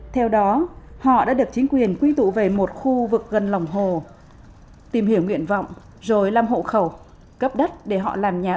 theo đó họ đã được chính quyền quy tụ về một khu vực gần lòng hồ tìm hiểu nguyện vọng rồi làm hộ khẩu cấp đất để họ làm nhà ở